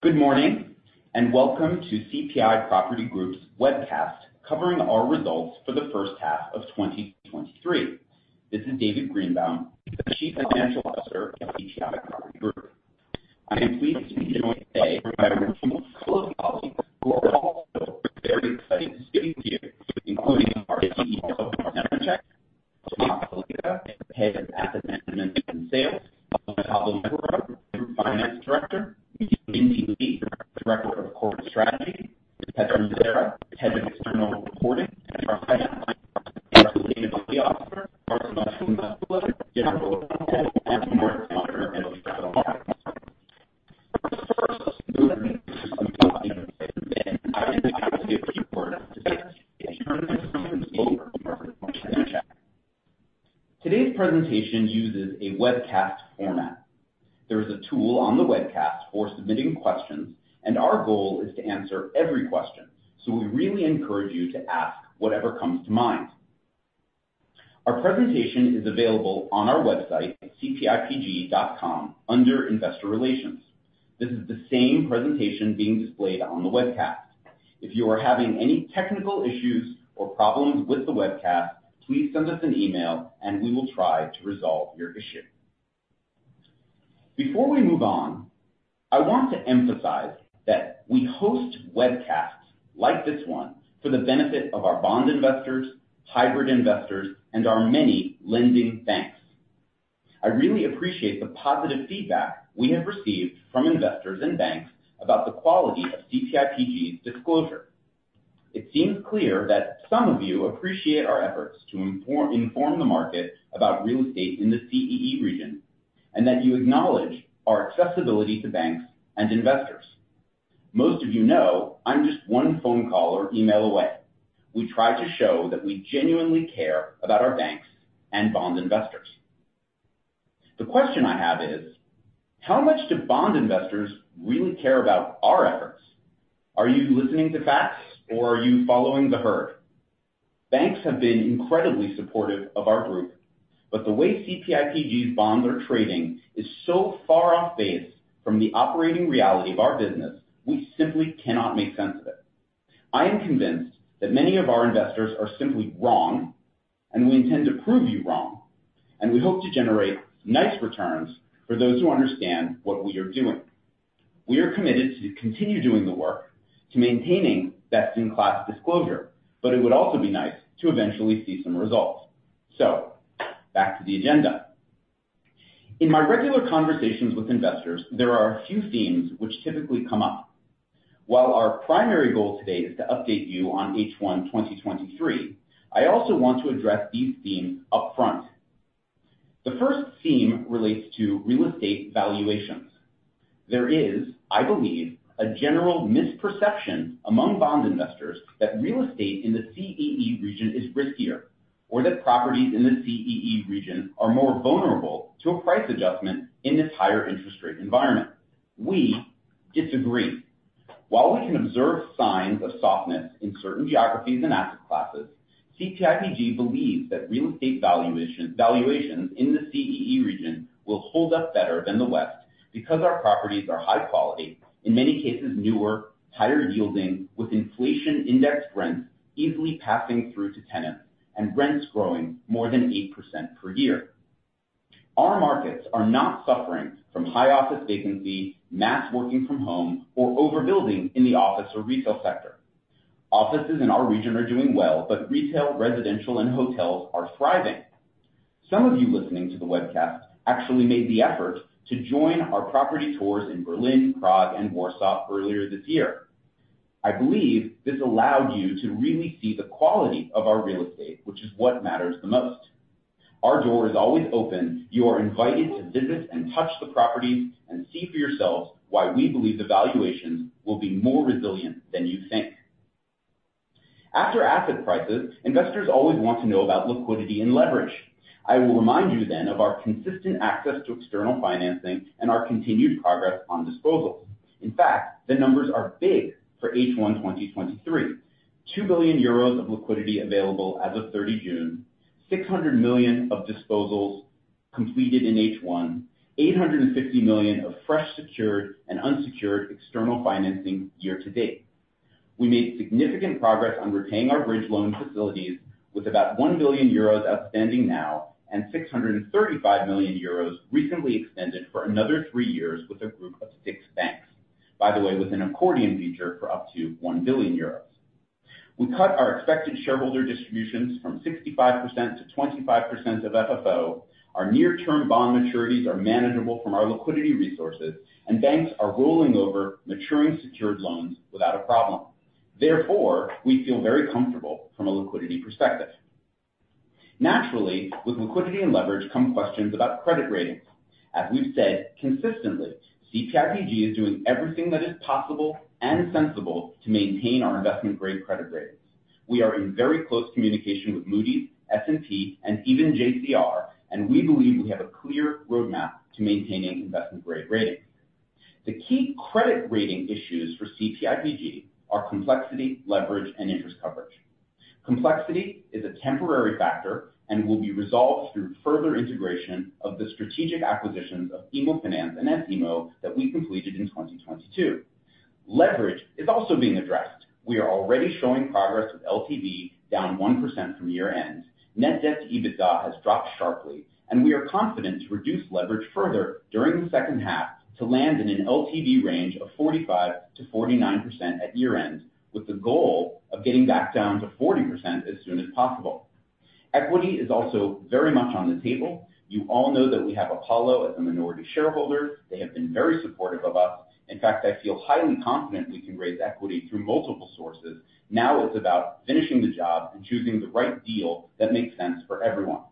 Good morning, and welcome to CPI Property Group's Webcast, covering our results for the first half of 2023. This is David Greenbaum, the Chief Financial Officer of CPI Property Group. I am pleased to be joined today by a handful of colleagues who are also very excited to be speaking to you, including our CEO, Martin Němeček; Tomáš Salajka, Head of Acquisitions, Asset Management, and Sales; Pavel Měchura, Group Finance Director; Jakub Vybíral, Director of Corporate Strategy; Katharina Sara, Head of External Reporting and Compliance; and is available on our website at cpipg.com, under Investor Relations. This is the same presentation being displayed on the webcast. If you are having any technical issues or problems with the webcast, please send us an email and we will try to resolve your issue. Before we move on, I want to emphasize that we host webcasts like this one for the benefit of our bond investors, hybrid investors, and our many lending banks. I really appreciate the positive feedback we have received from investors and banks about the quality of CPIPG's disclosure. It seems clear that some of you appreciate our efforts to inform, inform the market about real estate in the CEE region, and that you acknowledge our accessibility to banks and investors. Most of you know, I'm just one phone call or email away. We try to show that we genuinely care about our banks and bond investors. The question I have is: How much do bond investors really care about our efforts? Are you listening to facts or are you following the herd? Banks have been incredibly supportive of our group, but the way CPIPG's bonds are trading is so far off base from the operating reality of our business, we simply cannot make sense of it. I am convinced that many of our investors are simply wrong, and we intend to prove you wrong, and we hope to generate nice returns for those who understand what we are doing. We are committed to continue doing the work to maintaining best-in-class disclosure, but it would also be nice to eventually see some results. So back to the agenda. In my regular conversations with investors, there are a few themes which typically come up. While our primary goal today is to update you on H1 2023, I also want to address these themes upfront. The first theme relates to real estate valuations. There is, I believe, a general misperception among bond investors that real estate in the CEE region is riskier, or that properties in the CEE region are more vulnerable to a price adjustment in this higher interest rate environment. We disagree. While we can observe signs of softness in certain geographies and asset classes, CPIPG believes that real estate valuations in the CEE region will hold up better than the West because our properties are high quality, in many cases, newer, higher yielding, with inflation index rents easily passing through to tenants, and rents growing more than 8% per year. Our markets are not suffering from high office vacancy, mass working from home, or overbuilding in the office or retail sector. Offices in our region are doing well, but retail, residential, and hotels are thriving. Some of you listening to the webcast actually made the effort to join our property tours in Berlin, Prague, and Warsaw earlier this year. I believe this allowed you to really see the quality of our real estate, which is what matters the most. Our door is always open. You are invited to visit and touch the properties and see for yourselves why we believe the valuations will be more resilient than you think. After asset prices, investors always want to know about liquidity and leverage. I will remind you then of our consistent access to external financing and our continued progress on disposals. In fact, the numbers are big for H1 2023. 2 billion euros of liquidity available as of 30 June, 600 million of disposals completed in H1, 850 million of fresh, secured and unsecured external financing year to date. We made significant progress on repaying our bridge loan facilities with about 1 billion euros outstanding now, and 635 million euros recently extended for another three years with a group of six banks, by the way, with an accordion feature for up to 1 billion euros. We cut our expected shareholder distributions from 65% to 25% of FFO. Our near-term bond maturities are manageable from our liquidity resources, and banks are rolling over maturing secured loans without a problem. Therefore, we feel very comfortable from a liquidity perspective. Naturally, with liquidity and leverage come questions about credit ratings. As we've said consistently, CPIPG is doing everything that is possible and sensible to maintain our investment-grade credit ratings. We are in very close communication with Moody's, S&P, and even JCR, and we believe we have a clear roadmap to maintaining investment-grade ratings. The key credit rating issues for CPIPG are complexity, leverage, and interest coverage. Complexity is a temporary factor and will be resolved through further integration of the strategic acquisitions of IMMOFINANZ and S IMMO that we completed in 2022. Leverage is also being addressed. We are already showing progress with LTV down 1% from year-end. Net debt to EBITDA has dropped sharply, and we are confident to reduce leverage further during the second half to land in an LTV range of 45%-49% at year-end, with the goal of getting back down to 40% as soon as possible. Equity is also very much on the table. You all know that we have Apollo as a minority shareholder. They have been very supportive of us. In fact, I feel highly confident we can raise equity through multiple sources. Now it's about finishing the job and choosing the right deal that makes sense for everyone.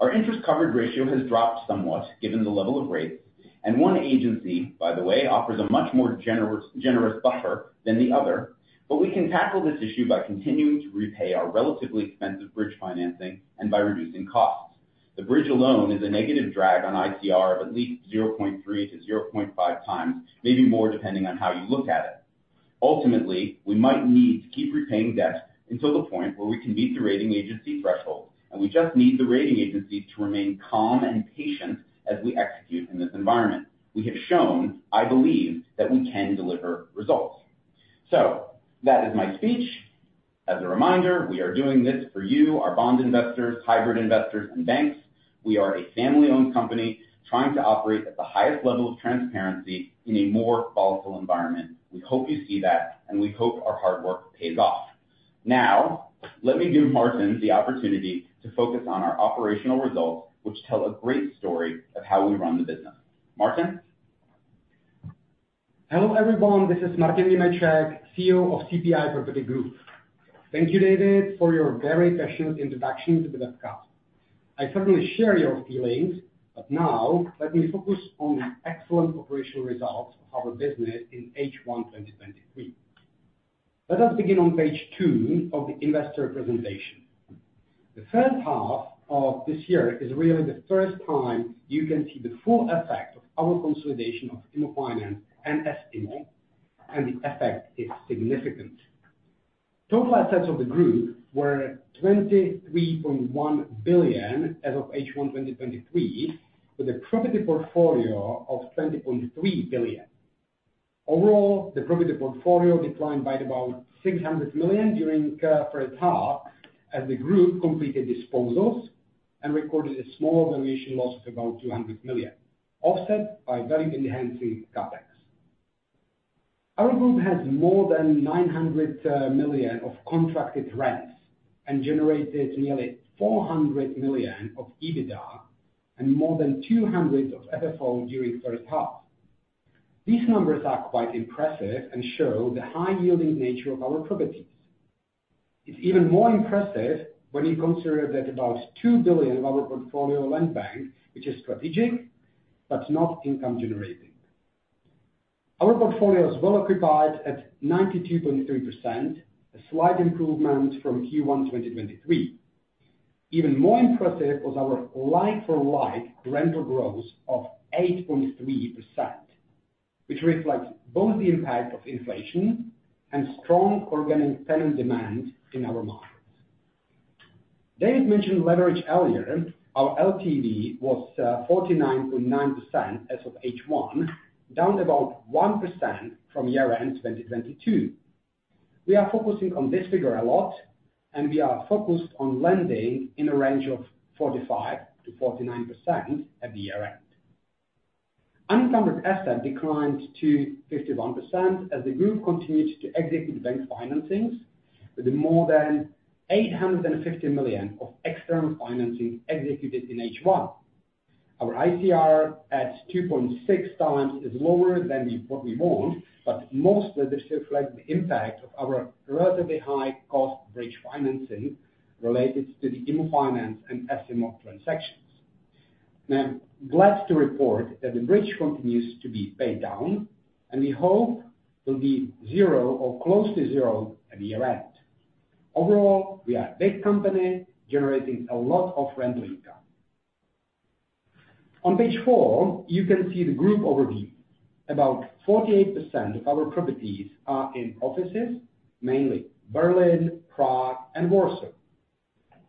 Our interest coverage ratio has dropped somewhat given the level of rates, and one agency, by the way, offers a much more generous buffer than the other, but we can tackle this issue by continuing to repay our relatively expensive bridge financing and by reducing costs. The bridge alone is a negative drag on ICR of at least 0.3-0.5x, maybe more, depending on how you look at it. Ultimately, we might need to keep repaying debt until the point where we can meet the rating agency threshold, and we just need the rating agencies to remain calm and patient as we execute in this environment. We have shown, I believe, that we can deliver results. So that is my speech. As a reminder, we are doing this for you, our bond investors, hybrid investors, and banks. We are a family-owned company trying to operate at the highest level of transparency in a more volatile environment. We hope you see that, and we hope our hard work pays off. Now, let me give Martin the opportunity to focus on our operational results, which tell a great story of how we run the business. Martin? Hello, everyone. This is Martin Němeček, CEO of CPI Property Group. Thank you, David, for your very passionate introduction to the webcast. I certainly share your feelings, but now let me focus on the excellent operational results of our business in H1 2023. Let us begin on page two of the investor presentation. The first half of this year is really the first time you can see the full effect of our consolidation of IMMOFINANZ and S IMMO, and the effect is significant. Total assets of the group were 23.1 billion as of H1 2023, with a property portfolio of 20.3 billion. Overall, the property portfolio declined by about 600 million during first half, as the group completed disposals and recorded a small valuation loss of about 200 million, offset by value-enhancing CapEx. Our group has more than 900 million of contracted rents and generated nearly 400 million of EBITDA and more than 200 million of FFO during the first half. These numbers are quite impressive and show the high-yielding nature of our properties. It's even more impressive when you consider that about 2 billion of our portfolio land bank, which is strategic, but not income generating. Our portfolio is well occupied at 92.3%, a slight improvement from Q1 2023. Even more impressive was our like-for-like rental growth of 8.3%, which reflects both the impact of inflation and strong organic tenant demand in our markets. David mentioned leverage earlier. Our LTV was 49.9% as of H1, down about 1% from year-end 2022. We are focusing on this figure a lot, and we are focused on LTV in a range of 45%-49% at the year-end. Unencumbered assets declined to 51% as the group continues to execute bank financings, with more than 850 million of external financing executed in H1. Our ICR at 2.6x is lower than what we want, but mostly this reflects the impact of our relatively high cost bridge financing related to the IMMOFINANZ and S IMMO transactions. And I'm glad to report that the bridge continues to be paid down, and we hope will be zero or close to zero at the year-end. Overall, we are a big company generating a lot of rental income. On page four, you can see the group overview. About 48% of our properties are in offices, mainly Berlin, Prague, and Warsaw.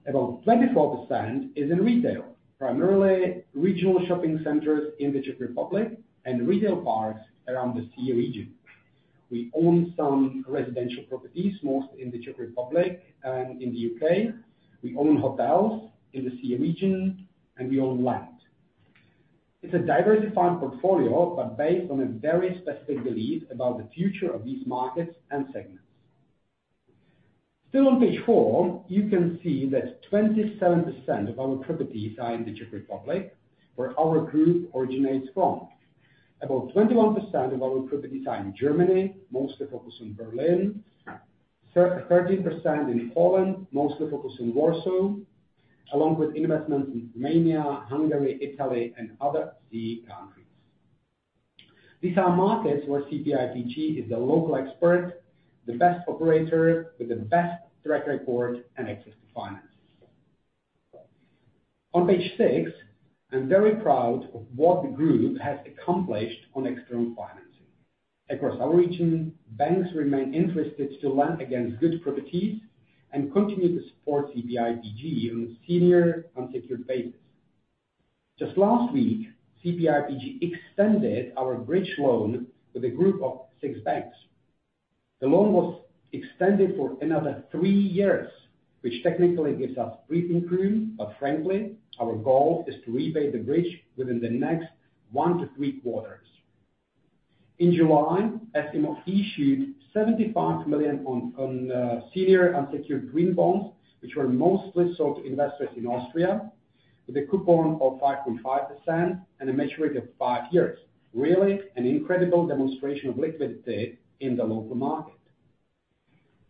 About 24% is in retail, primarily regional shopping centers in the Czech Republic and retail parks around the CEE region. We own some residential properties, mostly in the Czech Republic and in the U.K. We own hotels in the CEE region, and we own land. It's a diversified portfolio, but based on a very specific belief about the future of these markets and segments. Still on page four, you can see that 27% of our properties are in the Czech Republic, where our group originates from. About 21% of our properties are in Germany, mostly focused on Berlin, 13% in Poland, mostly focused in Warsaw, along with investments in Romania, Hungary, Italy, and other CEE countries. These are markets where CPIPG is the local expert, the best operator with the best track record and access to finance. On page six, I'm very proud of what the group has accomplished on external financing. Across our region, banks remain interested to lend against good properties and continue to support CPIPG on a senior unsecured basis. Just last week, CPIPG extended our bridge loan with a group of 6 banks. The loan was extended for another 3 years, which technically gives us breathing room, but frankly, our goal is to repay the bridge within the next 1-3 quarters. In July, S IMMO issued 75 million senior unsecured green bonds, which were mostly sold to investors in Austria with a coupon of 5.5% and a maturity of 5 years. Really, an incredible demonstration of liquidity in the local market.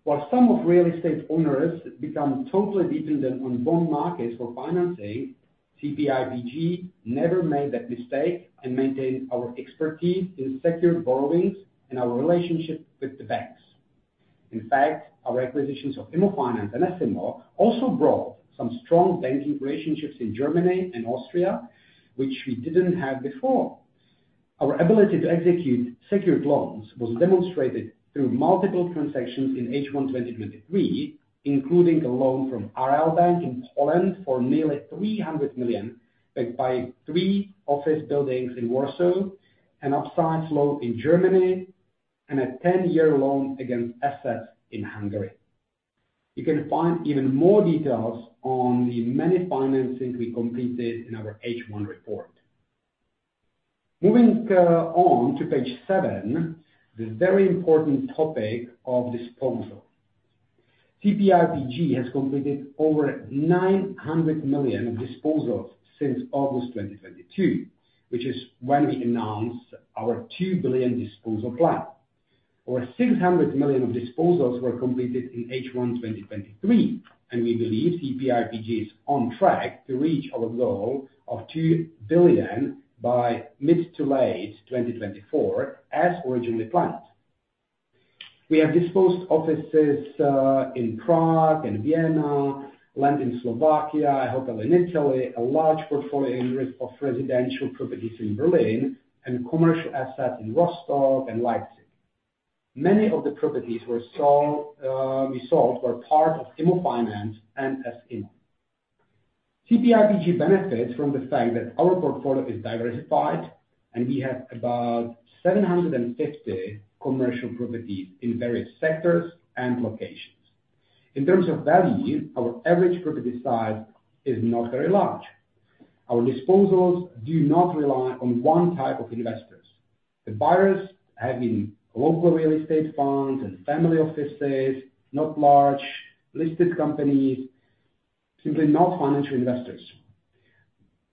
While some of real estate owners have become totally dependent on bond markets for financing, CPIPG never made that mistake and maintained our expertise in secured borrowings and our relationship with the banks. In fact, our acquisitions of Immofinanz and S IMMO also brought some strong banking relationships in Germany and Austria, which we didn't have before. Our ability to execute secured loans was demonstrated through multiple transactions in H1 2023, including a loan from Aareal Bank in Poland for nearly 300 million, backed by three office buildings in Warsaw, an upsize loan in Germany, and a 10-year loan against assets in Hungary. You can find even more details on the many financings we completed in our H1 report. Moving on to page 7, the very important topic of disposal. CPIPG has completed over 900 million of disposals since August 2022, which is when we announced our 2 billion disposal plan. Over 600 million of disposals were completed in H1 2023, and we believe CPIPG is on track to reach our goal of 2 billion by mid to late 2024, as originally planned. We have disposed offices in Prague and Vienna, land in Slovakia, a hotel in Italy, a large portfolio of residential properties in Berlin, and commercial assets in Rostock and Leipzig. Many of the properties we sold were part of IMMOFINANZ and S IMMO. CPIPG benefits from the fact that our portfolio is diversified, and we have about 750 commercial properties in various sectors and locations. In terms of value, our average property size is not very large. Our disposals do not rely on one type of investors. The buyers have been local real estate funds and family offices, not large, listed companies, simply not financial investors.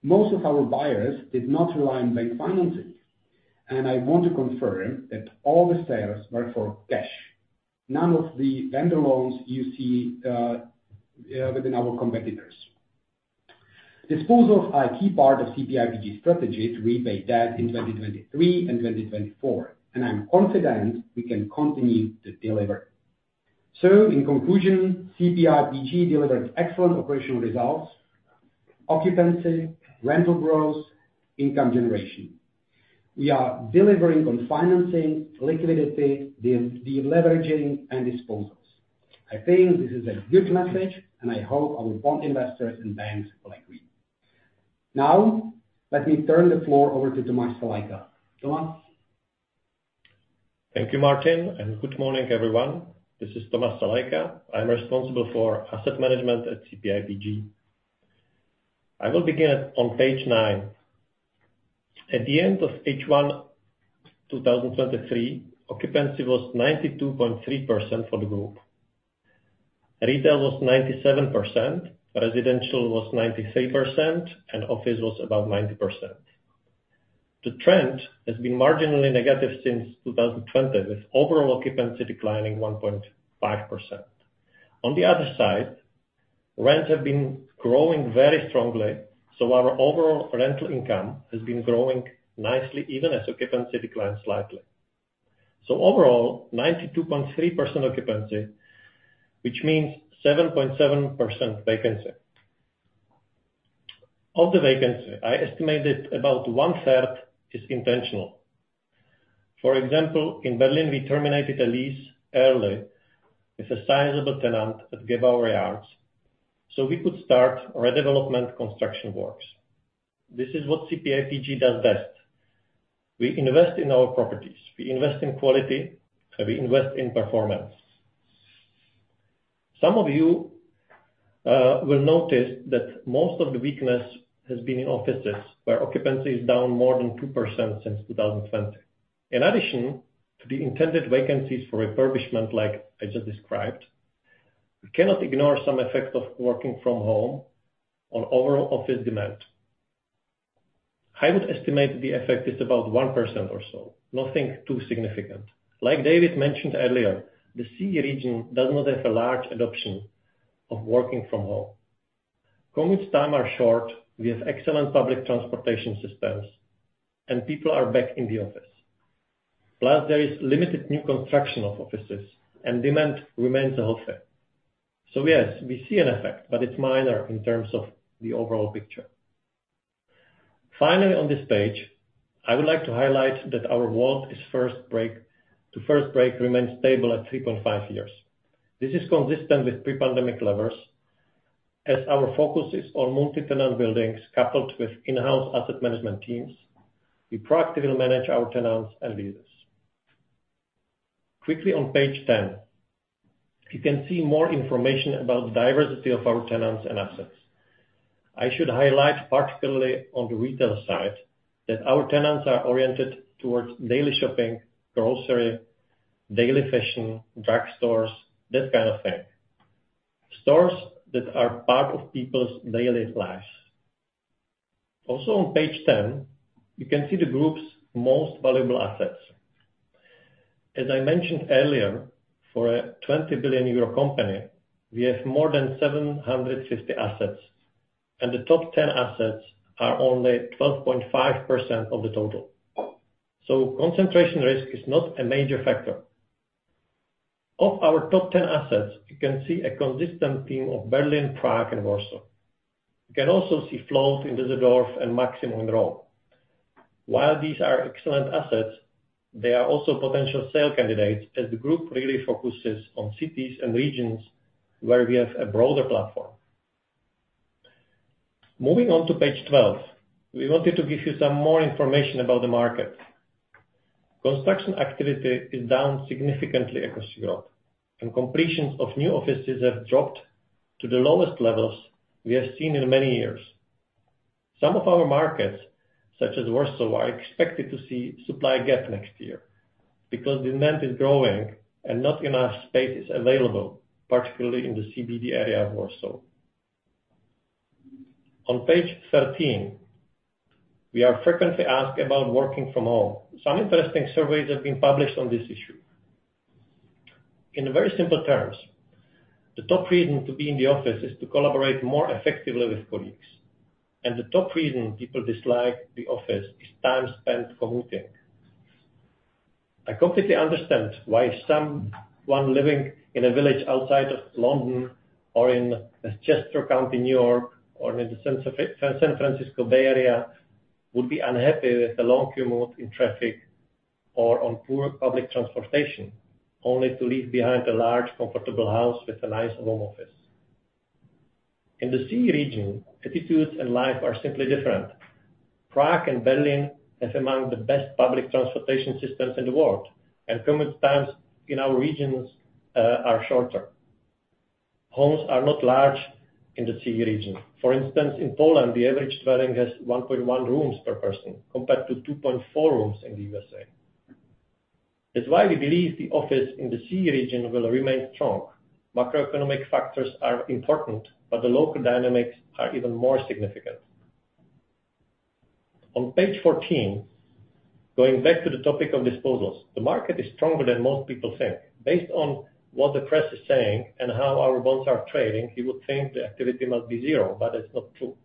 Most of our buyers did not rely on bank financing, and I want to confirm that all the sales were for cash. None of the vendor loans you see within our competitors. Disposals are a key part of CPIPG's strategy to repay debt in 2023 and 2024, and I'm confident we can continue to deliver. So in conclusion, CPIPG delivers excellent operational results, occupancy, rental growth, income generation. We are delivering on financing, liquidity, de-leveraging, and disposals. I think this is a good message, and I hope our bond investors and banks will agree. Now, let me turn the floor over to Tomáš Salajka. Thomas? Thank you, Martin, and good morning, everyone. This is Tomáš Salajka. I'm responsible for asset management at CPIPG. I will begin at, on page nine. At the end of H1 2023, occupancy was 92.3% for the group. Retail was 97%, residential was 93%, and office was about 90%. The trend has been marginally negative since 2020, with overall occupancy declining 1.5%. On the other side, rents have been growing very strongly, so our overall rental income has been growing nicely, even as occupancy declines slightly. So overall, 92.3% occupancy, which means 7.7% vacancy. Of the vacancy, I estimated about one-third is intentional. For example, in Berlin, we terminated a lease early with a sizable tenant at Gebauer Höfe, so we could start our development construction works. This is what CPIPG does best. We invest in our properties, we invest in quality, and we invest in performance. Some of you will notice that most of the weakness has been in offices, where occupancy is down more than 2% since 2020. In addition to the intended vacancies for refurbishment like I just described, we cannot ignore some effect of working from home on overall office demand. I would estimate the effect is about 1% or so, nothing too significant. Like David mentioned earlier, the CEE region does not have a large adoption of working from home. Commute times are short, we have excellent public transportation systems, and people are back in the office... plus there is limited new construction of offices, and demand remains healthy. So yes, we see an effect, but it's minor in terms of the overall picture. Finally, on this page, I would like to highlight that our WAULT to first break remains stable at 3.5 years. This is consistent with pre-pandemic levels, as our focus is on multi-tenant buildings coupled with in-house asset management teams. We proactively manage our tenants and leases. Quickly on page 10, you can see more information about the diversity of our tenants and assets. I should highlight, particularly on the retail side, that our tenants are oriented towards daily shopping, grocery, daily fashion, drugstores, that kind of thing. Stores that are part of people's daily lives. Also, on page 10, you can see the Group's most valuable assets. As I mentioned earlier, for a 20 billion euro company, we have more than 750 assets, and the top 10 assets are only 12.5% of the total. So concentration risk is not a major factor. Of our top 10 assets, you can see a consistent theme of Berlin, Prague, and Warsaw. You can also see FLOAT in Düsseldorf and Maximo in Rome. While these are excellent assets, they are also potential sale candidates, as the group really focuses on cities and regions where we have a broader platform. Moving on to page 12, we wanted to give you some more information about the market. Construction activity is down significantly across Europe, and completions of new offices have dropped to the lowest levels we have seen in many years. Some of our markets, such as Warsaw, are expected to see supply gap next year because demand is growing and not enough space is available, particularly in the CBD area of Warsaw. On page 13, we are frequently asked about working from home. Some interesting surveys have been published on this issue. In very simple terms, the top reason to be in the office is to collaborate more effectively with colleagues, and the top reason people dislike the office is time spent commuting. I completely understand why someone living in a village outside of London or in Westchester County, New York, or in the San Francisco Bay Area, would be unhappy with the long commute in traffic or on poor public transportation, only to leave behind a large, comfortable house with a nice home office. In the CEE region, attitudes and life are simply different. Prague and Berlin is among the best public transportation systems in the world, and commute times in our regions are shorter. Homes are not large in the CEE region. For instance, in Poland, the average dwelling has 1.1 rooms per person, compared to 2.4 rooms in the USA. That's why we believe the office in the CEE region will remain strong. Macroeconomic factors are important, but the local dynamics are even more significant. On page 14, going back to the topic of disposals, the market is stronger than most people think. Based on what the press is saying and how our bonds are trading, you would think the activity must be zero, but it's not true.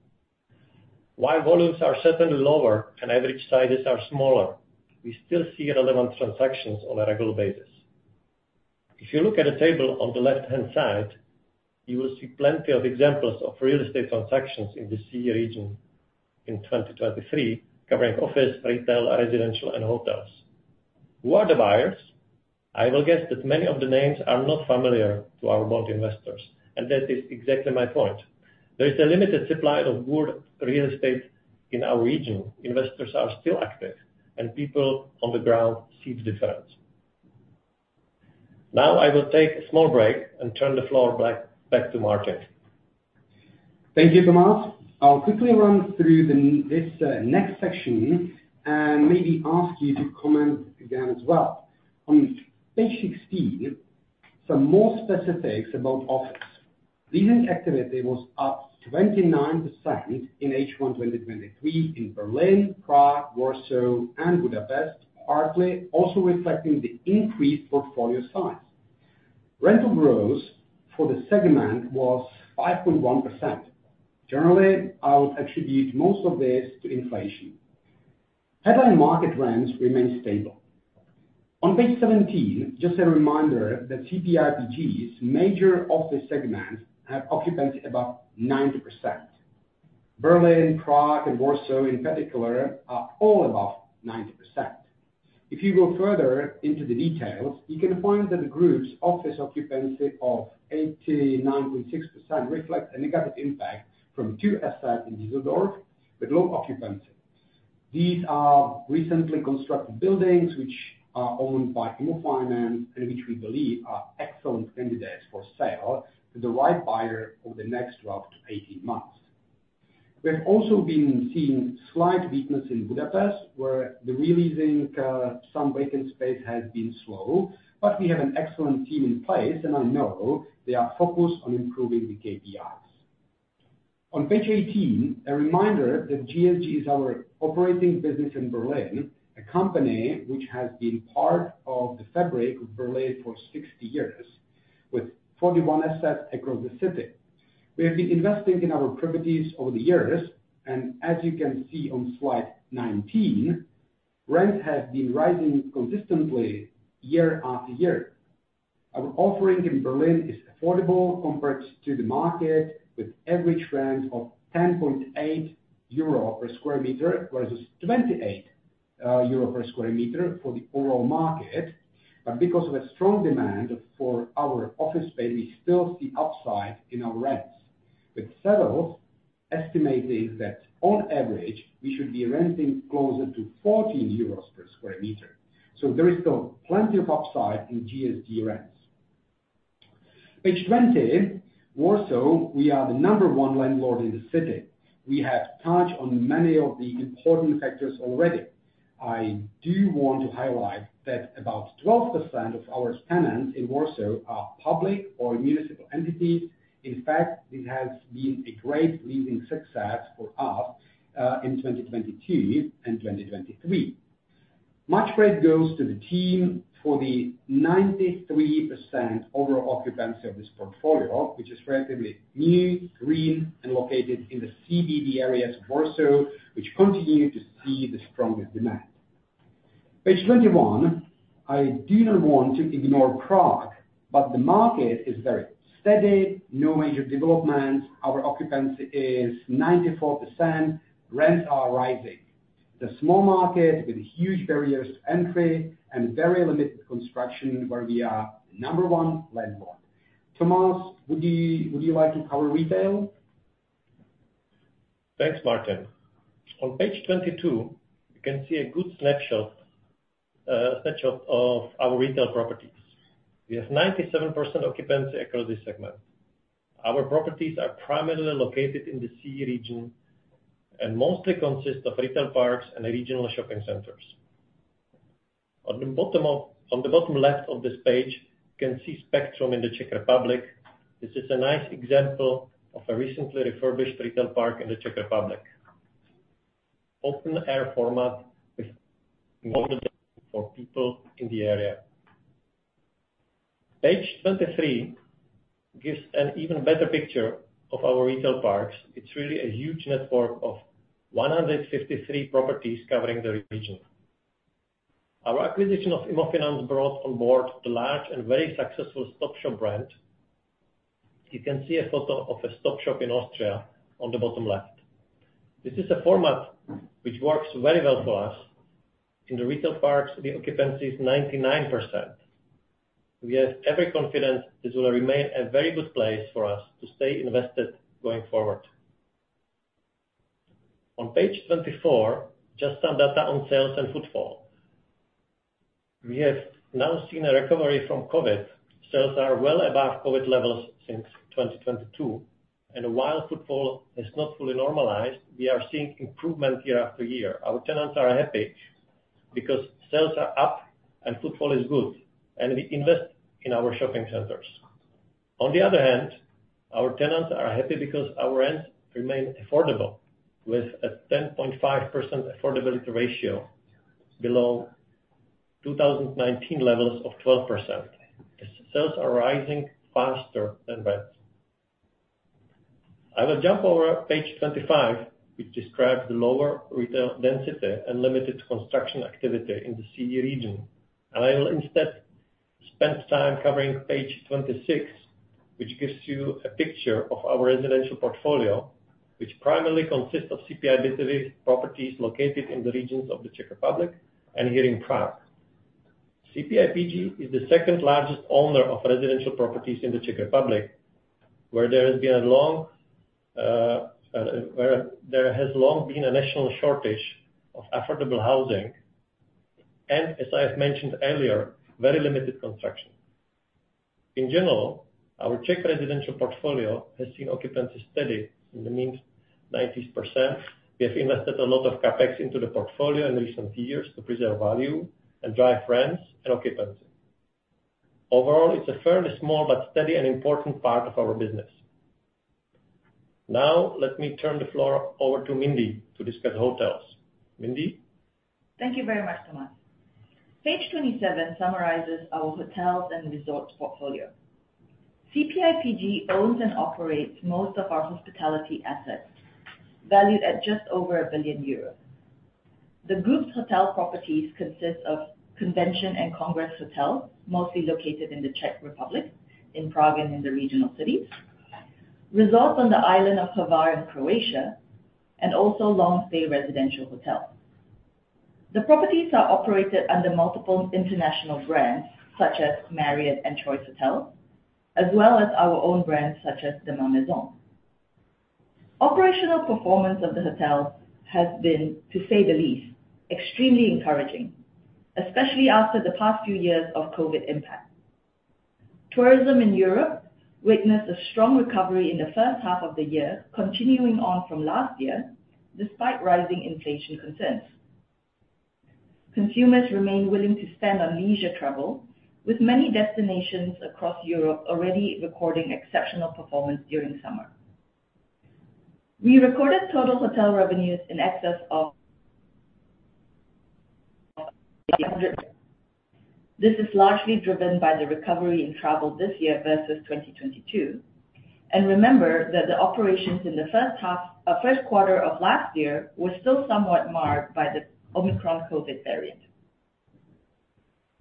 While volumes are certainly lower and average sizes are smaller, we still see relevant transactions on a regular basis. If you look at the table on the left-hand side, you will see plenty of examples of real estate transactions in the CEE region in 2023, covering office, retail, residential, and hotels. Who are the buyers? I will guess that many of the names are not familiar to our bond investors, and that is exactly my point. There is a limited supply of good real estate in our region. Investors are still active, and people on the ground see the difference. Now, I will take a small break and turn the floor back, back to Martin. Thank you, Tomáš. I'll quickly run through this next section and maybe ask you to comment again as well. On page 16, some more specifics about office. Leasing activity was up 29% in H1 2023 in Berlin, Prague, Warsaw, and Budapest, partly also reflecting the increased portfolio size. Rental growth for the segment was 5.1%. Generally, I would attribute most of this to inflation. Headline market rents remain stable. On page 17, just a reminder that CPIPG's major office segments have occupancy above 90%. Berlin, Prague, and Warsaw, in particular, are all above 90%. If you go further into the details, you can find that the group's office occupancy of 89.6% reflects a negative impact from two assets in Düsseldorf with low occupancy. These are recently constructed buildings, which are owned by IMMOFINANZ and which we believe are excellent candidates for sale to the right buyer over the next 12-18 months. We have also been seeing slight weakness in Budapest, where the re-leasing, some vacant space has been slow, but we have an excellent team in place, and I know they are focused on improving the KPIs. On page 18, a reminder that GSG is our operating business in Berlin, a company which has been part of the fabric of Berlin for 60 years, with 41 assets across the city. We have been investing in our properties over the years, and as you can see on slide 19, rent has been rising consistently year after year. Our offering in Berlin is affordable compared to the market, with average rent of 10.8 euro per square meter, versus 28 euro per square meter for the overall market. But because of a strong demand for our office space, we still see upside in our rents, with Savills estimating that on average, we should be renting closer to 14 euros per square meter. So there is still plenty of upside in GSG rents. Page 20, Warsaw, we are the number one landlord in the city. We have touched on many of the important factors already. I do want to highlight that about 12% of our tenants in Warsaw are public or municipal entities. In fact, this has been a great leading success for us in 2022 and 2023. Much credit goes to the team for the 93% overall occupancy of this portfolio, which is relatively new, green, and located in the CBD areas of Warsaw, which continue to see the strongest demand. Page 21, I do not want to ignore Prague, but the market is very steady, no major development. Our occupancy is 94%. Rents are rising. It's a small market with huge barriers to entry and very limited construction where we are number one landlord. Thomas, would you like to cover retail? Thanks, Martin. On page 22, you can see a good snapshot, snapshot of our retail properties. We have 97% occupancy across this segment. Our properties are primarily located in the CEE region, and mostly consist of retail parks and regional shopping centers. On the bottom of-- On the bottom left of this page, you can see Spektrum in the Czech Republic. This is a nice example of a recently refurbished retail park in the Czech Republic. Open air format with model for people in the area. Page 23 gives an even better picture of our retail parks. It's really a huge network of 153 properties covering the region. Our acquisition of IMMOFINANZ brought on board the large and very successful Stop Shop brand. You can see a photo of a Stop Shop in Austria on the bottom left. This is a format which works very well for us. In the retail parks, the occupancy is 99%. We have every confidence this will remain a very good place for us to stay invested going forward. On page 24, just some data on sales and footfall. We have now seen a recovery from COVID. Sales are well above COVID levels since 2022, and while footfall is not fully normalized, we are seeing improvement year after year. Our tenants are happy because sales are up and footfall is good, and we invest in our shopping centers. On the other hand, our tenants are happy because our rents remain affordable, with a 10.5% affordability ratio below 2019 levels of 12%, as sales are rising faster than rents. I will jump over page 25, which describes the lower retail density and limited construction activity in the CE region. I will instead spend time covering page 26, which gives you a picture of our residential portfolio, which primarily consists of CPI properties located in the regions of the Czech Republic and here in Prague. CPIPG is the second largest owner of residential properties in the Czech Republic, where there has long been a national shortage of affordable housing, and as I have mentioned earlier, very limited construction. In general, our Czech residential portfolio has seen occupancy steady in the mid-90s%. We have invested a lot of CapEx into the portfolio in recent years to preserve value and drive rents and occupancy. Overall, it's a fairly small but steady and important part of our business. Now, let me turn the floor over to Mindy to discuss hotels. Mindy? Thank you very much, Thomas. Page 27 summarizes our hotels and resorts portfolio. CPIPG owns and operates most of our hospitality assets, valued at just over 1 billion euros. The group's hotel properties consist of convention and congress hotels, mostly located in the Czech Republic, in Prague and in the regional cities, resorts on the island of Hvar in Croatia, and also long-stay residential hotels. The properties are operated under multiple international brands, such as Marriott and Choice Hotel, as well as our own brands, such as Mamaison. Operational performance of the hotel has been, to say the least, extremely encouraging, especially after the past few years of COVID impact. Tourism in Europe witnessed a strong recovery in the first half of the year, continuing on from last year, despite rising inflation concerns. Consumers remain willing to spend on leisure travel, with many destinations across Europe already recording exceptional performance during summer. We recorded total hotel revenues in excess of.... This is largely driven by the recovery in travel this year versus 2022. Remember that the operations in the first half, first quarter of last year were still somewhat marred by the Omicron COVID variant.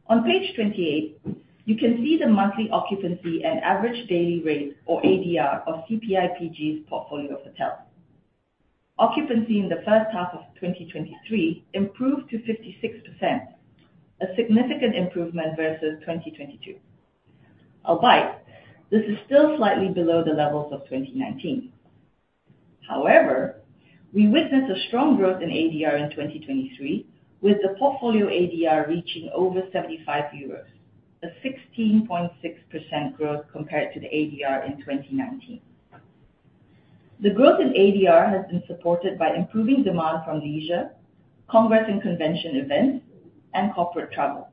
On page 28, you can see the monthly occupancy and average daily rate or ADR of CPI PG's portfolio of hotels. Occupancy in the first half of 2023 improved to 56%, a significant improvement versus 2022. Albeit, this is still slightly below the levels of 2019. However, we witnessed a strong growth in ADR in 2023, with the portfolio ADR reaching over 75 euros, a 16.6% growth compared to the ADR in 2019. The growth in ADR has been supported by improving demand from leisure, congress and convention events, and corporate travel.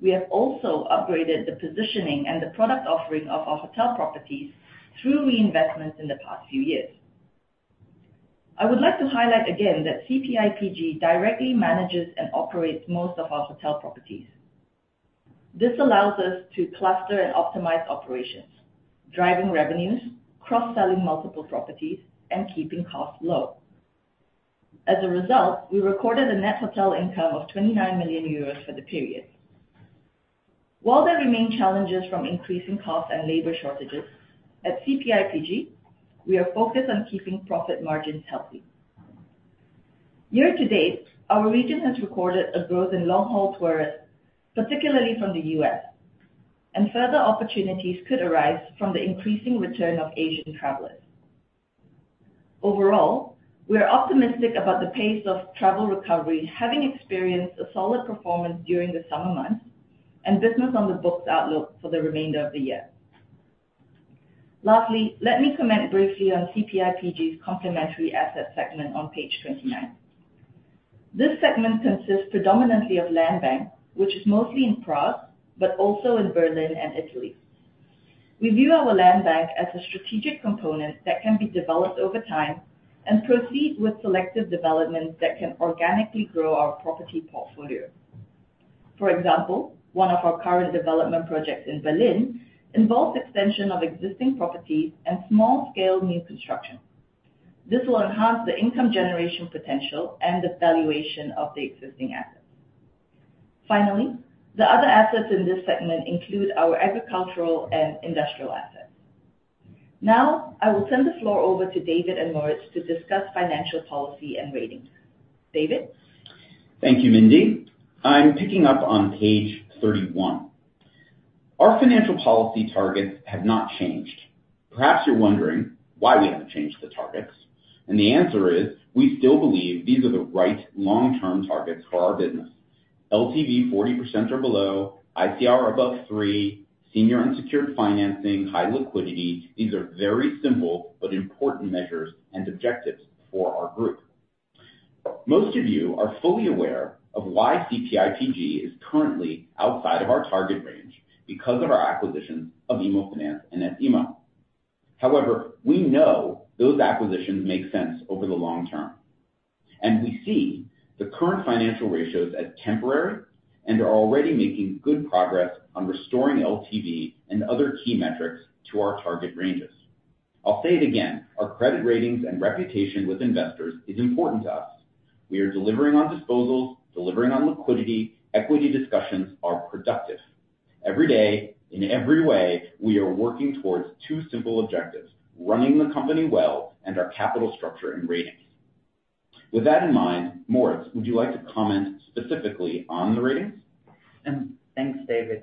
We have also upgraded the positioning and the product offering of our hotel properties through reinvestments in the past few years. I would like to highlight again that CPI PG directly manages and operates most of our hotel properties. This allows us to cluster and optimize operations, driving revenues, cross-selling multiple properties, and keeping costs low. As a result, we recorded a net hotel income of 29 million euros for the period. While there remain challenges from increasing costs and labor shortages, at CPI PG, we are focused on keeping profit margins healthy. Year to date, our region has recorded a growth in long-haul tourists, particularly from the U.S., and further opportunities could arise from the increasing return of Asian travelers. Overall, we are optimistic about the pace of travel recovery, having experienced a solid performance during the summer months and business on the books outlook for the remainder of the year. Lastly, let me comment briefly on CPI PG's complementary asset segment on page 29. This segment consists predominantly of land bank, which is mostly in Prague but also in Berlin and Italy. We view our land bank as a strategic component that can be developed over time and proceed with selective developments that can organically grow our property portfolio. For example, one of our current development projects in Berlin involves extension of existing properties and small-scale new construction. This will enhance the income generation potential and the valuation of the existing assets. Finally, the other assets in this segment include our agricultural and industrial assets. Now, I will turn the floor over to David and Moritz to discuss financial policy and ratings. David? Thank you, Mindy. I'm picking up on page 31. Our financial policy targets have not changed. Perhaps you're wondering why we haven't changed the targets, and the answer is: we still believe these are the right long-term targets for our business. LTV, 40% or below, ICR above 3, senior unsecured financing, high liquidity. These are very simple but important measures and objectives for our group. Most of you are fully aware of why CPI PG is currently outside of our target range because of our acquisitions of IMMOFINANZ and S IMMO. However, we know those acquisitions make sense over the long term, and we see the current financial ratios as temporary and are already making good progress on restoring LTV and other key metrics to our target ranges. I'll say it again, our credit ratings and reputation with investors is important to us. We are delivering on disposals, delivering on liquidity. Equity discussions are productive. Every day, in every way, we are working towards two simple objectives: running the company well and our capital structure and ratings. With that in mind, Moritz, would you like to comment specifically on the ratings? Thanks, David.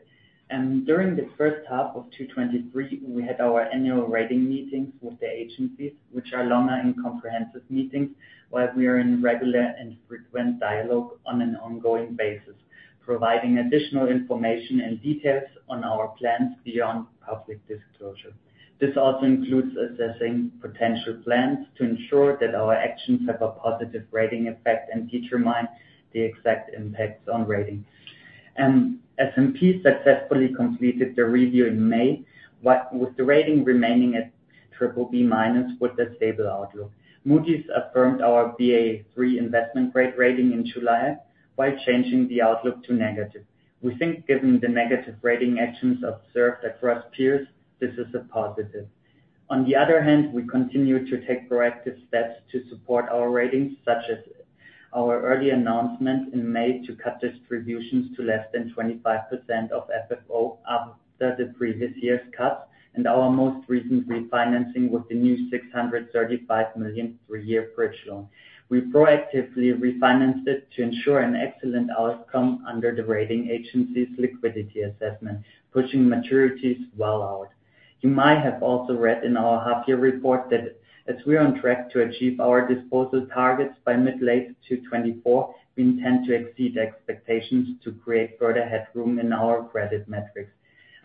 During the first half of 2023, we had our annual rating meetings with the agencies, which are longer and comprehensive meetings, while we are in regular and frequent dialogue on an ongoing basis, providing additional information and details on our plans beyond public disclosure. This also includes assessing potential plans to ensure that our actions have a positive rating effect and determine the exact impacts on ratings. S&P successfully completed the review in May, with the rating remaining at BBB- with a stable outlook. Moody's affirmed our Baa3 investment grade rating in July, while changing the outlook to negative. We think, given the negative rating actions observed across peers, this is a positive. On the other hand, we continue to take proactive steps to support our ratings, such as our early announcement in May to cut distributions to less than 25% of FFO after the previous year's cuts, and our most recent refinancing with the new 635 million 3-year bridge loan. We proactively refinanced it to ensure an excellent outcome under the rating agency's liquidity assessment, pushing maturities well out. You might have also read in our half-year report that as we are on track to achieve our disposal targets by mid-late 2024, we intend to exceed expectations to create further headroom in our credit metrics.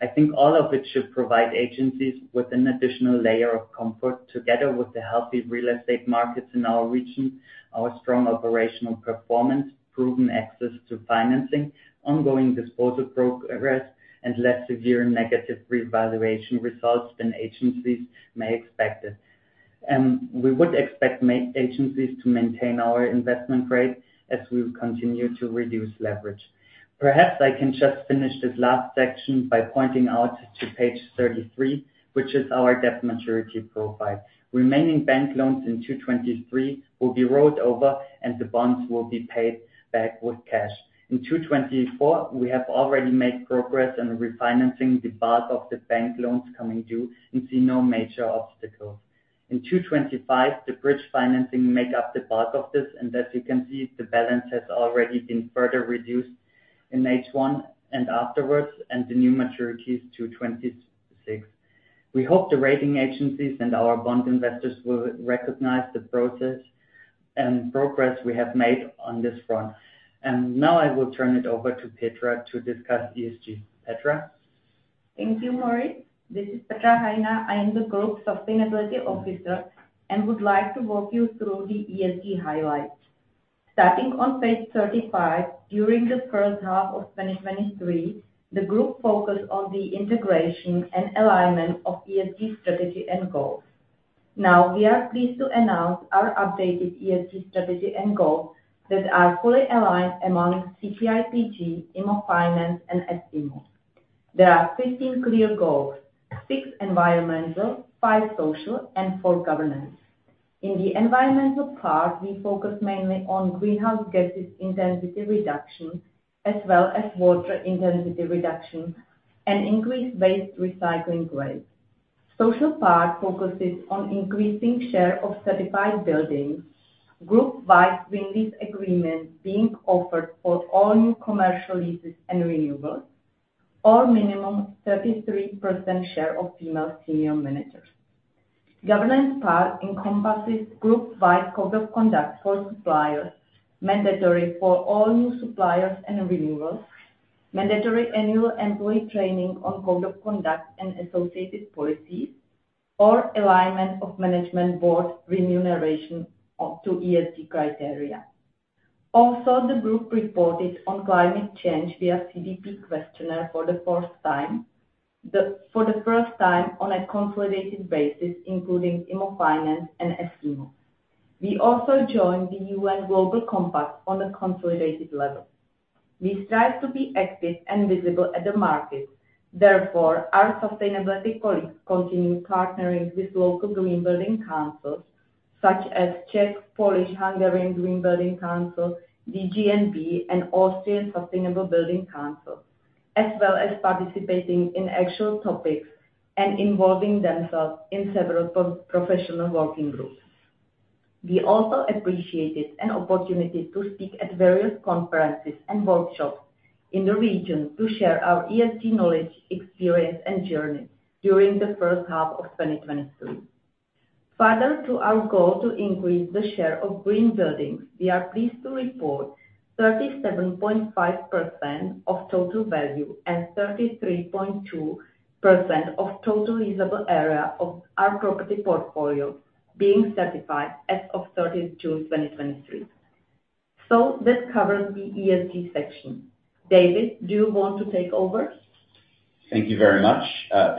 I think all of it should provide agencies with an additional layer of comfort, together with the healthy real estate markets in our region, our strong operational performance, proven access to financing, ongoing disposal progress, and less severe negative revaluation results than agencies may expect. We would expect agencies to maintain our investment rate as we continue to reduce leverage. Perhaps I can just finish this last section by pointing out to page 33, which is our debt maturity profile. Remaining bank loans in 2023 will be rolled over, and the bonds will be paid back with cash. In 2024, we have already made progress in refinancing the bulk of the bank loans coming due and see no major obstacles. In 2025, the bridge financing make up the bulk of this, and as you can see, the balance has already been further reduced in H1 and afterwards, and the new maturity is 2026. We hope the rating agencies and our bond investors will recognize the process and progress we have made on this front. Now I will turn it over to Petra to discuss ESG. Petra? Thank you, Moritz. This is Petra Hajná. I am the Group Sustainability Officer and would like to walk you through the ESG highlights. Starting on page 35, during the first half of 2023, the group focused on the integration and alignment of ESG strategy and goals. Now, we are pleased to announce our updated ESG strategy and goals that are fully aligned among CPIPG, IMMOFINANZ, and S IMMO. There are 15 clear goals, 6 environmental, 5 social, and 4 governance. In the environmental part, we focus mainly on greenhouse gases intensity reduction, as well as water intensity reduction and increased waste recycling rate. Social part focuses on increasing share of certified buildings, group-wide green lease agreement being offered for all new commercial leases and renewables, or minimum 33% share of female senior managers. Governance part encompasses group-wide code of conduct for suppliers, mandatory for all new suppliers and renewals, mandatory annual employee training on code of conduct and associated policies, or alignment of management board remuneration up to ESG criteria. Also, the group reported on climate change via CDP questionnaire for the fourth time, for the first time on a consolidated basis, including IMMOFINANZ and S IMMO. We also joined the UN Global Compact on a consolidated level. We strive to be active and visible at the market. Therefore, our sustainability colleagues continue partnering with local green building councils, such as Czech, Polish, Hungarian Green Building Council, DGNB, and Austrian Sustainable Building Council, as well as participating in actual topics and involving themselves in several professional working groups. We also appreciated an opportunity to speak at various conferences and workshops in the region to share our ESG knowledge, experience, and journey during the first half of 2023. Further, to our goal to increase the share of green buildings, we are pleased to report 37.5% of total value and 33.2% of total leasable area of our property portfolio being certified as of 30 June 2023. So that covers the ESG section. David, do you want to take over? Thank you very much,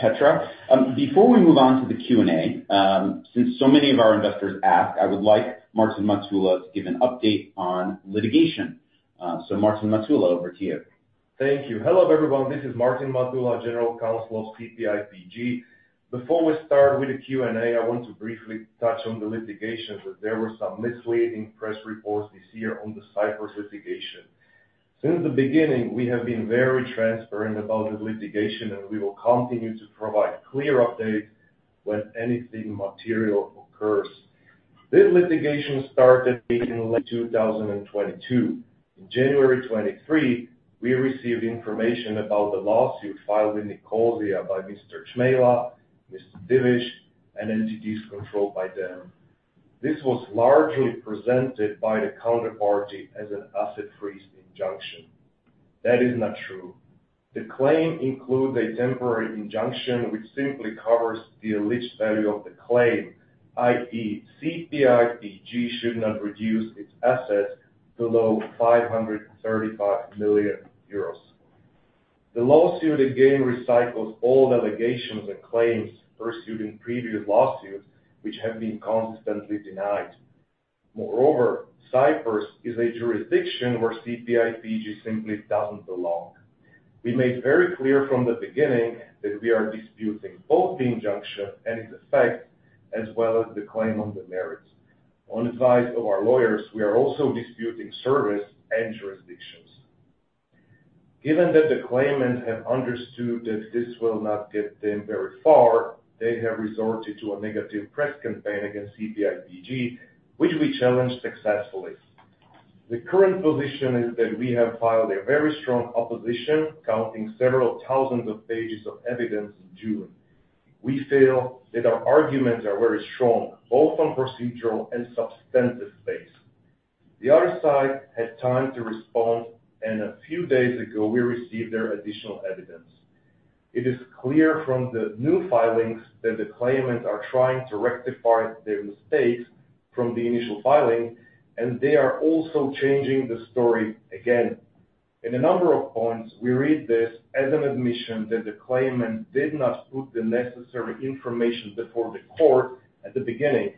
Petra. Before we move on to the Q&A, since so many of our investors asked, I would like Martin Matula to give an update on litigation. So Martin Matula, over to you. Thank you. Hello, everyone. This is Martin Matula, General Counsel of CPIPG. Before we start with the Q&A, I want to briefly touch on the litigation, that there were some misleading press reports this year on the Cyprus litigation. Since the beginning, we have been very transparent about the litigation, and we will continue to provide clear updates when anything material occurs. This litigation started in late 2022. In January 2023, we received information about the lawsuit filed in Nicosia by Mr. Čmejla, Mr. Diviš, and entities controlled by them. This was largely presented by the counterparty as an asset freeze injunction. That is not true. The claim includes a temporary injunction, which simply covers the alleged value of the claim, i.e., CPIPG should not reduce its assets below 535 million euros. The lawsuit again recycles all the allegations and claims pursued in previous lawsuits, which have been consistently denied. Moreover, Cyprus is a jurisdiction where CPIPG simply doesn't belong. We made very clear from the beginning that we are disputing both the injunction and its effects, as well as the claim on the merits. On advice of our lawyers, we are also disputing service and jurisdictions. Given that the claimants have understood that this will not get them very far, they have resorted to a negative press campaign against CPIPG, which we challenged successfully. The current position is that we have filed a very strong opposition, counting several thousands of pages of evidence in June. We feel that our arguments are very strong, both on procedural and substantive basis. The other side had time to respond, and a few days ago, we received their additional evidence. It is clear from the new filings that the claimants are trying to rectify their mistakes from the initial filing, and they are also changing the story again. In a number of points, we read this as an admission that the claimant did not put the necessary information before the court at the beginning.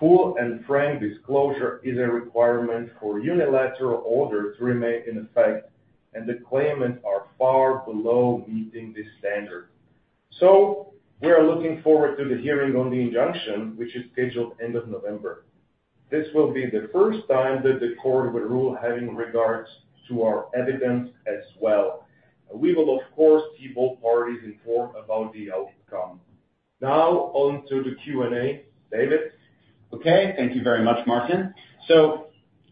Full and frank disclosure is a requirement for unilateral order to remain in effect, and the claimants are far below meeting this standard. So we are looking forward to the hearing on the injunction, which is scheduled end of November. This will be the first time that the court will rule, having regards to our evidence as well. We will, of course, keep all parties informed about the outcome. Now on to the Q&A. David? Okay. Thank you very much, Martin. So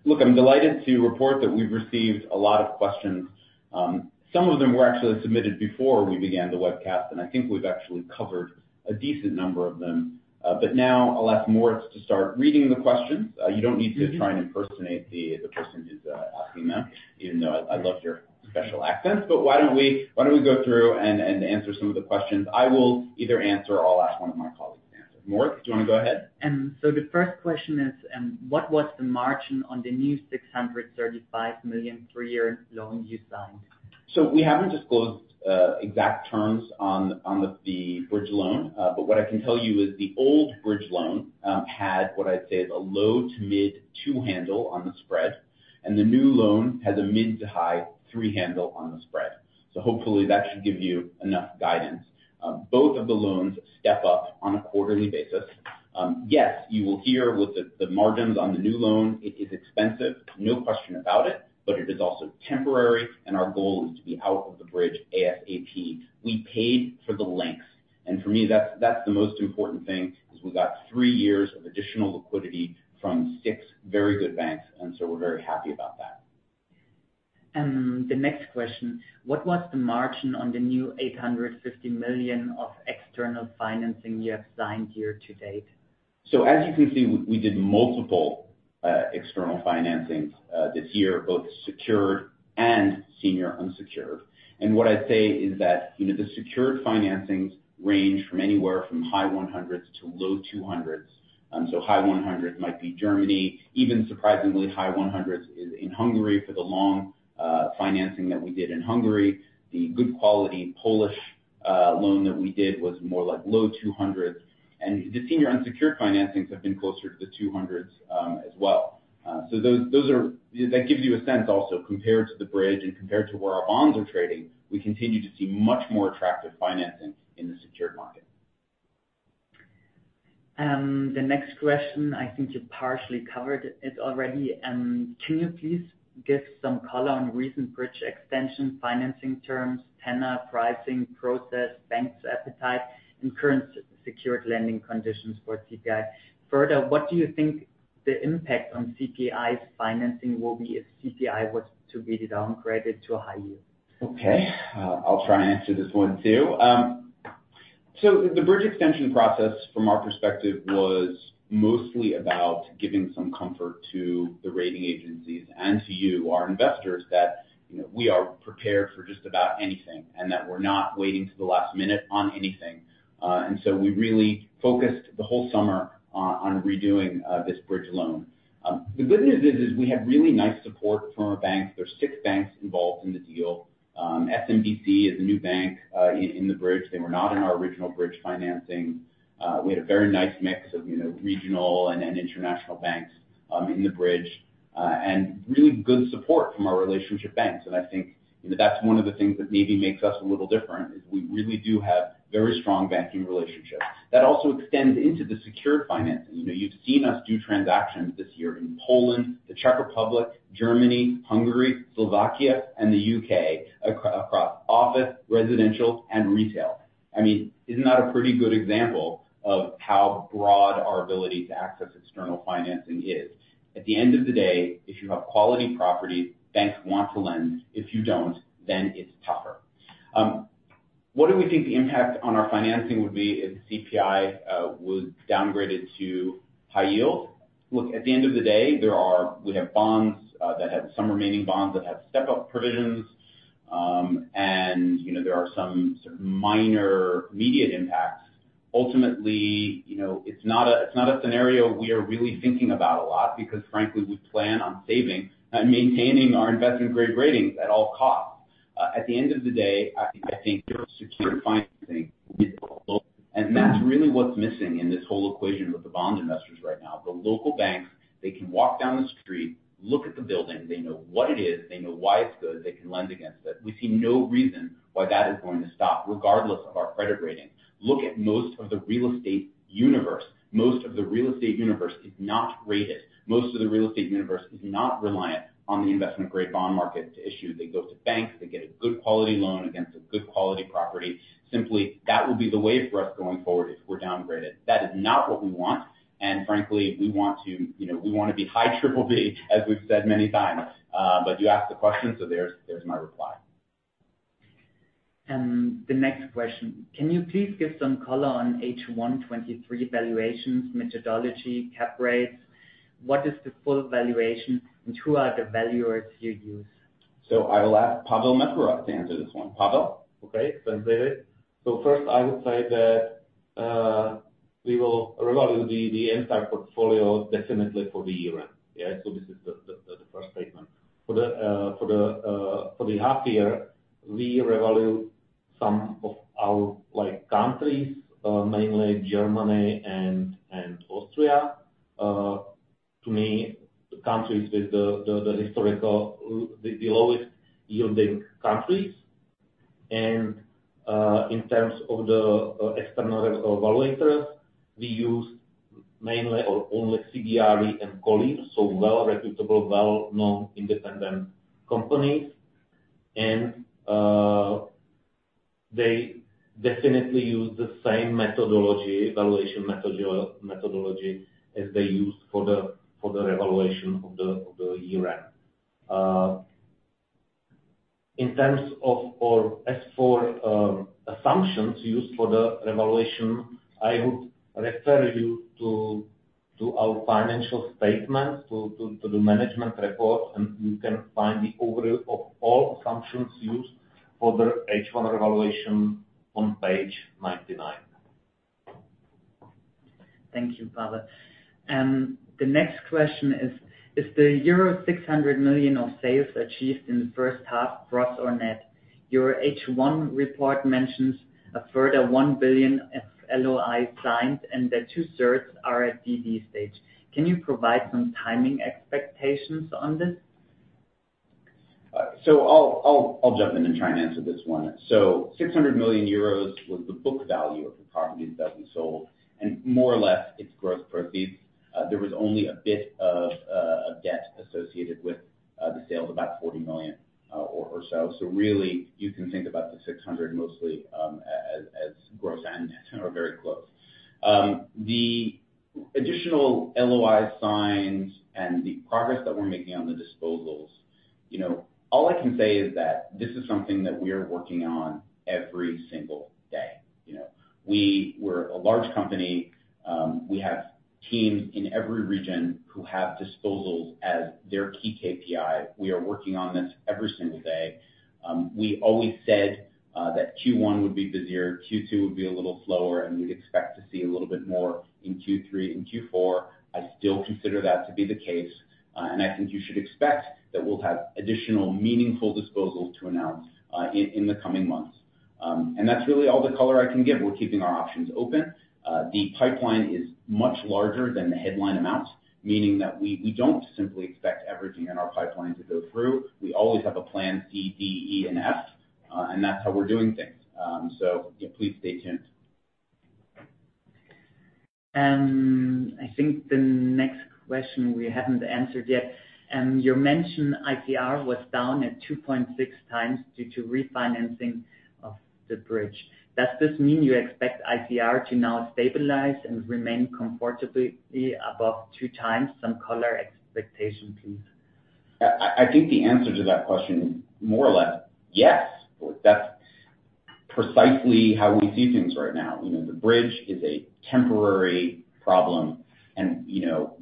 look, I'm delighted to report that we've received a lot of questions. Some of them were actually submitted before we began the webcast, and I think we've actually covered a decent number of them. But now I'll ask Moritz to start reading the questions. You don't need to try and impersonate the person who's asking them, even though I love your special accents. But why don't we go through and answer some of the questions? I will either answer or I'll ask one of my colleagues to answer. Moritz, do you want to go ahead? The first question is, what was the margin on the new 635 million three-year loan you signed? So we haven't disclosed exact terms on the bridge loan. But what I can tell you is the old bridge loan had what I'd say is a low to mid 2 handle on the spread, and the new loan had a mid to high 3 handle on the spread. So hopefully, that should give you enough guidance. Both of the loans step up on a quarterly basis. Yes, you will hear with the margins on the new loan, it is expensive, no question about it, but it is also temporary, and our goal is to be out of the bridge ASAP. We paid for the length, and for me, that's the most important thing, is we got 3 years of additional liquidity from 6 very good banks, and so we're very happy about that. The next question: What was the margin on the new 850 million of external financing you have signed year to date? As you can see, we did multiple external financings this year, both secured and senior unsecured. What I'd say is that, you know, the secured financings range from anywhere from high 100s to low 200s. So high 100s might be Germany, even surprisingly, high 100s is in Hungary for the long financing that we did in Hungary. The good quality Polish loan that we did was more like low 200s, and the senior unsecured financings have been closer to the 200s as well. So those are... That gives you a sense also, compared to the bridge and compared to where our bonds are trading, we continue to see much more attractive financing in the secured market. The next question, I think you partially covered it already. Can you please give some color on recent bridge extension, financing terms, tenor, pricing, process, banks appetite, and current secured lending conditions for CPI? Further, what do you think the impact on CPI's financing will be if CPI was to be downgraded to a high yield? Okay, I'll try and answer this one, too. So the bridge extension process, from our perspective, was mostly about giving some comfort to the rating agencies and to you, our investors, that, you know, we are prepared for just about anything, and that we're not waiting to the last minute on anything. And so we really focused the whole summer on redoing this bridge loan. The good news is we have really nice support from our banks. There are six banks involved in the deal. SMBC is a new bank in the bridge. They were not in our original bridge financing. We had a very nice mix of, you know, regional and international banks in the bridge, and really good support from our relationship banks. I think, you know, that's one of the things that maybe makes us a little different, is we really do have very strong banking relationships. That also extends into the secured financing. You know, you've seen us do transactions this year in Poland, the Czech Republic, Germany, Hungary, Slovakia, and the UK, across office, residential, and retail. I mean, isn't that a pretty good example of how broad our ability to access external financing is? At the end of the day, if you have quality properties, banks want to lend. If you don't, then it's tougher. What do we think the impact on our financing would be if CPI was downgraded to high yield? Look, at the end of the day, there are we have bonds that have some remaining bonds that have step-up provisions. And, you know, there are some sort of minor immediate impacts. Ultimately, you know, it's not a scenario we are really thinking about a lot because frankly, we plan on saving and maintaining our investment-grade ratings at all costs. At the end of the day, I think their secured financing is global, and that's really what's missing in this whole equation with the bond investors right now. The local banks, they can walk down the street, look at the building, they know what it is, they know why it's good, they can lend against it. We see no reason why that is going to stop, regardless of our credit rating. Look at most of the real estate universe. Most of the real estate universe is not rated. Most of the real estate universe is not reliant on the investment-grade bond market to issue. They go to banks, they get a good quality loan against a good quality property. Simply, that will be the way for us going forward if we're downgraded. That is not what we want, and frankly, we want to, you know, we want to be high triple B, as we've said many times. But you asked the question, so there's, here's my reply. The next question: Can you please give some color on H1 2023 valuations, methodology, cap rates? What is the full valuation, and who are the valuers you use? I will ask Pavel Měchura to answer this one. Pavel? Okay, thanks, David. So first, I would say that,... We will revalue the entire portfolio definitely for the year-end. Yeah, so this is the first statement. For the half year, we revalue some of our like countries, mainly Germany and Austria. To me, the countries with the historically lowest yielding countries. And in terms of the external evaluators, we use mainly or only CBRE and Colliers, so well reputable, well-known independent companies. And they definitely use the same methodology, valuation methodology, as they use for the revaluation of the year-end. In terms of or as for assumptions used for the revaluation, I would refer you to the financial statement, to the management report, and you can find the overview of all assumptions used for the H1 revaluation on page 99. Thank you, Pavel. The next question is: Is the euro 600 million of sales achieved in the first half, gross or net? Your H1 report mentions a further 1 billion LOI signed, and the two thirds are at DD stage. Can you provide some timing expectations on this? So I'll jump in and try and answer this one. So 600 million euros was the book value of the properties that we sold, and more or less, it's gross proceeds. There was only a bit of a debt associated with the sale, about 40 million or so. So really, you can think about the 600 million mostly as gross and net, or very close. The additional LOI signs and the progress that we're making on the disposals, you know, all I can say is that this is something that we are working on every single day, you know? We're a large company. We have teams in every region who have disposals as their key KPI. We are working on this every single day. We always said that Q1 would be busier, Q2 would be a little slower, and we'd expect to see a little bit more in Q3 and Q4. I still consider that to be the case, and I think you should expect that we'll have additional meaningful disposals to announce in the coming months. And that's really all the color I can give. We're keeping our options open. The pipeline is much larger than the headline amount, meaning that we don't simply expect everything in our pipeline to go through. We always have a plan C, D, E, and F, and that's how we're doing things. So please stay tuned. I think the next question we haven't answered yet, you mentioned ICR was down at 2.6x due to refinancing of the bridge. Does this mean you expect ICR to now stabilize and remain comfortably above 2x? Some color expectation, please. I think the answer to that question is more or less, yes. That's precisely how we see things right now. You know, the bridge is a temporary problem, and, you know,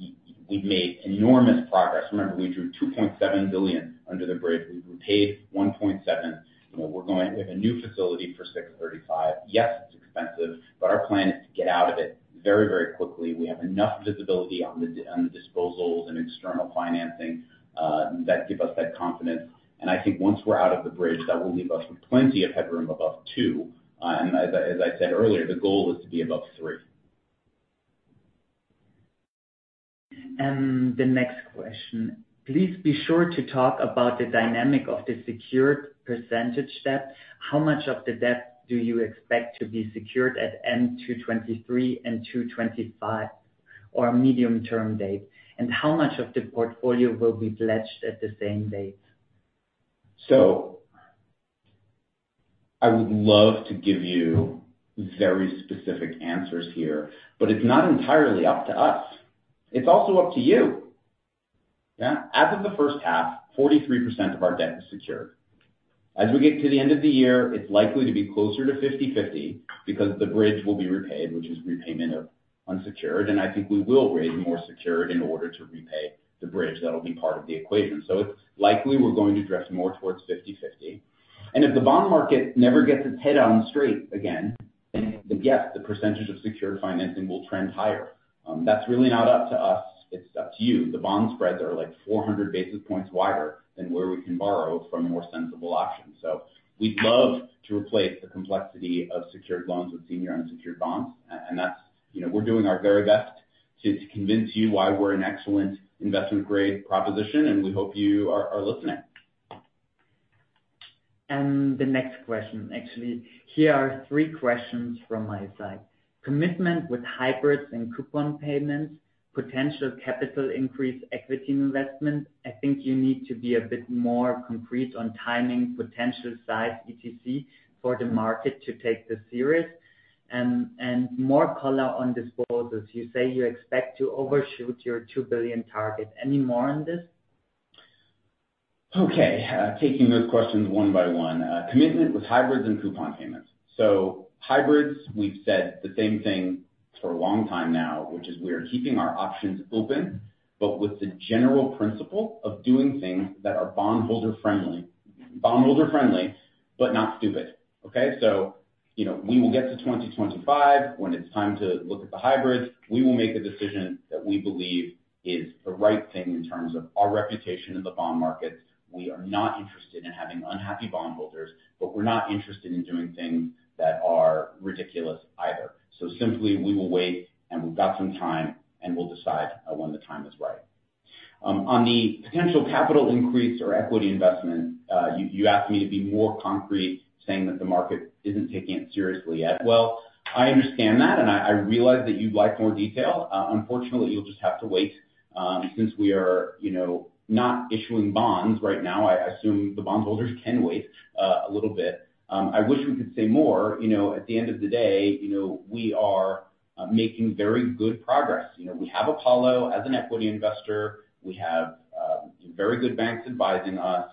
we've made enormous progress. Remember, we drew 2.7 billion under the bridge. We paid 1.7 billion. You know, we're going with a new facility for 635 million. Yes, it's expensive, but our plan is to get out of it very, very quickly. We have enough visibility on the disposals and external financing that give us that confidence. And I think once we're out of the bridge, that will leave us with plenty of headroom above two. And as I said earlier, the goal is to be above three. The next question: Please be sure to talk about the dynamic of the secured percentage debt. How much of the debt do you expect to be secured at end 2023 and 2025, or medium-term date? And how much of the portfolio will be pledged at the same date? So I would love to give you very specific answers here, but it's not entirely up to us. It's also up to you. Yeah. As of the first half, 43% of our debt is secured. As we get to the end of the year, it's likely to be closer to 50/50 because the bridge will be repaid, which is repayment of unsecured, and I think we will raise more secured in order to repay the bridge. That'll be part of the equation. So it's likely we're going to drift more towards 50/50. And if the bond market never gets its head on straight again, then yes, the percentage of secured financing will trend higher. That's really not up to us, it's up to you. The bond spreads are like 400 basis points wider than where we can borrow from a more sensible option. So we'd love to replace the complexity of secured loans with senior unsecured bonds, and that's... You know, we're doing our very best to convince you why we're an excellent investment-grade proposition, and we hope you are listening. The next question. Actually, here are three questions from my side. Commitment with hybrids and coupon payments, potential capital increase, equity investment. I think you need to be a bit more concrete on timing, potential size, etc., for the market to take this serious. And more color on disposals. You say you expect to overshoot your 2 billion target. Any more on this? Okay, taking those questions one by one. Commitment with hybrids and coupon payments. So hybrids, we've said the same thing for a long time now, which is we are keeping our options open, but with the general principle of doing things that are bondholder-friendly.... Bondholders are friendly, but not stupid, okay? So, you know, we will get to 2025. When it's time to look at the hybrids, we will make a decision that we believe is the right thing in terms of our reputation in the bond market. We are not interested in having unhappy bondholders, but we're not interested in doing things that are ridiculous either. So simply, we will wait, and we've got some time, and we'll decide when the time is right. On the potential capital increase or equity investment, you asked me to be more concrete, saying that the market isn't taking it seriously yet. Well, I understand that, and I realize that you'd like more detail. Unfortunately, you'll just have to wait. Since we are, you know, not issuing bonds right now, I assume the bondholders can wait a little bit. I wish we could say more. You know, at the end of the day, you know, we are making very good progress. You know, we have Apollo as an equity investor. We have very good banks advising us.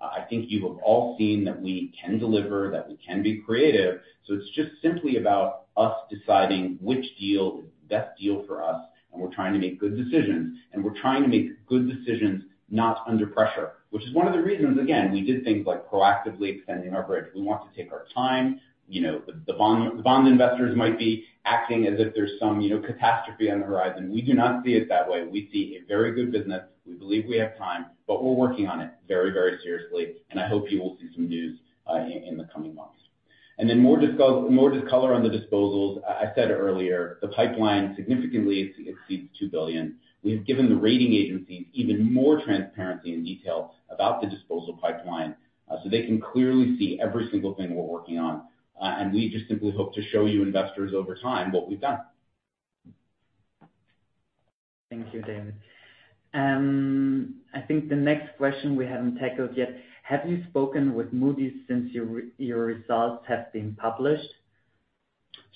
I think you have all seen that we can deliver, that we can be creative. So it's just simply about us deciding which deal is the best deal for us, and we're trying to make good decisions. We're trying to make good decisions, not under pressure, which is one of the reasons, again, we did things like proactively extending our bridge. We want to take our time. You know, the bond investors might be acting as if there's some, you know, catastrophe on the horizon. We do not see it that way. We see a very good business. We believe we have time, but we're working on it very, very seriously, and I hope you will see some news in the coming months. And then more disclosure, more just color on the disposals. I said earlier, the pipeline significantly exceeds 2 billion. We've given the rating agencies even more transparency and detail about the disposal pipeline, so they can clearly see every single thing we're working on. We just simply hope to show you investors over time, what we've done. Thank you, David. I think the next question we haven't tackled yet: Have you spoken with Moody's since your results have been published?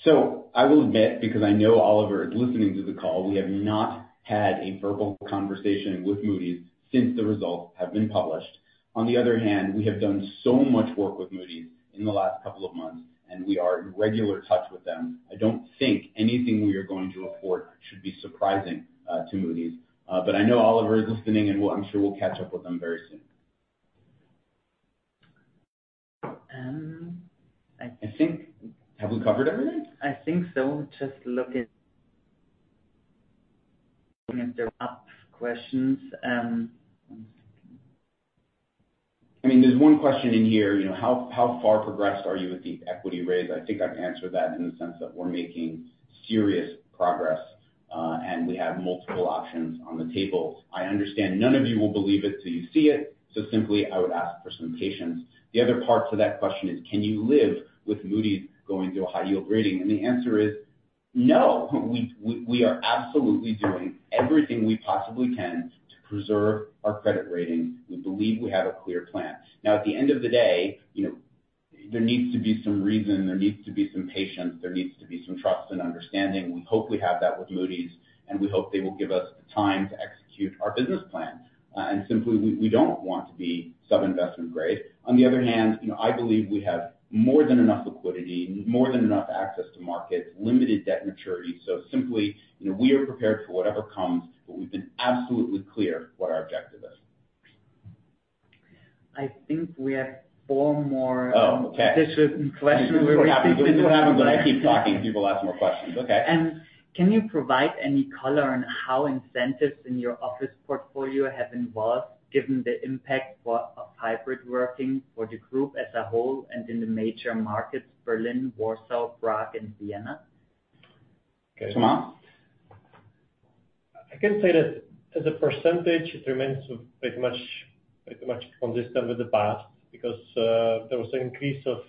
So I will admit, because I know Oliver is listening to the call, we have not had a verbal conversation with Moody's since the results have been published. On the other hand, we have done so much work with Moody's in the last couple of months, and we are in regular touch with them. I don't think anything we are going to afford should be surprising to Moody's. But I know Oliver is listening, and we'll, I'm sure we'll catch up with them very soon. Um, I- I think... Have we covered everything? I think so. Just looking if there are questions. I mean, there's one question in here, you know, how far progressed are you with the equity raise? I think I've answered that in the sense that we're making serious progress, and we have multiple options on the table. I understand none of you will believe it till you see it, so simply, I would ask for some patience. The other part to that question is: Can you live with Moody's going to a high yield rating? The answer is no. We are absolutely doing everything we possibly can to preserve our credit rating. We believe we have a clear plan. Now, at the end of the day, you know, there needs to be some reason, there needs to be some patience, there needs to be some trust and understanding. We hope we have that with Moody's, and we hope they will give us the time to execute our business plan. And simply, we don't want to be sub-investment grade. On the other hand, you know, I believe we have more than enough liquidity, more than enough access to markets, limited debt maturity. So simply, you know, we are prepared for whatever comes, but we've been absolutely clear what our objective is. I think we have four more- Oh, okay. Questions. This is what happens when I keep talking, people ask more questions. Okay. Can you provide any color on how incentives in your office portfolio have evolved, given the impact of hybrid working for the group as a whole, and in the major markets, Berlin, Warsaw, Prague, and Vienna? Okay, Tomáš? I can say that as a percentage, it remains pretty much, pretty much consistent with the past because there was an increase of,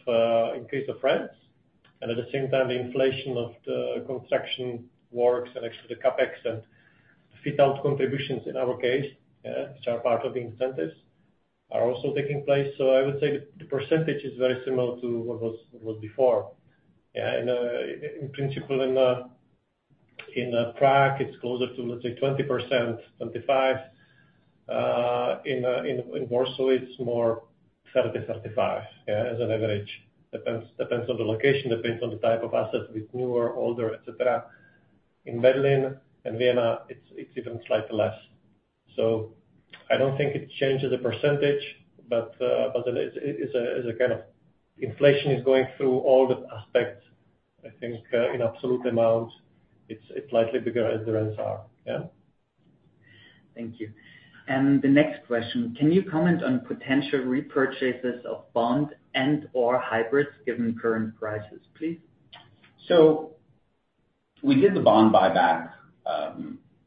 increase of rents, and at the same time, the inflation of the construction works and actually the CapEx and fit-out contributions in our case, which are part of the incentives, are also taking place. So I would say the, the percentage is very similar to what was, what was before. Yeah, and, in principle, in, in, Prague, it's closer to, let's say, 20%-25%. In, in, Warsaw, it's more 30%-35%, yeah, as an average. Depends, depends on the location, depends on the type of assets with newer, older, et cetera. In Berlin and Vienna, it's, it's even slightly less. So I don't think it changes the percentage, but it is a kind of inflation going through all the aspects. I think, in absolute amounts, it's slightly bigger as the rents are. Yeah. Thank you. The next question: Can you comment on potential repurchases of bonds and/or hybrids, given current prices, please? So we did the bond buyback